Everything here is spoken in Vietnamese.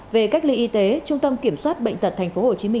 về cách ly y tế trung tâm kiểm soát bệnh tật tp hcm